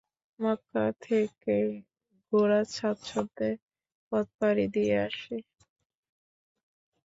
মক্কা থেকেই ঘোড়া স্বাচ্ছন্দে পথ পাড়ি দিয়ে আসে।